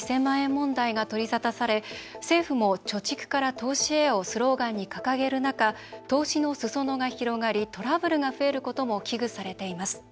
問題が取り沙汰され政府も「貯蓄から投資へ」をスローガンに掲げる中投資のすそ野が広がりトラブルが増えることも危惧されています。